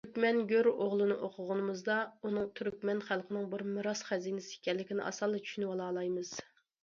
تۈركمەن گۆر ئوغلىنى ئوقۇغىنىمىزدا، ئۇنىڭ تۈركمەن خەلقىنىڭ بىر مىراس خەزىنىسى ئىكەنلىكىنى ئاسانلا چۈشىنىۋالالايمىز.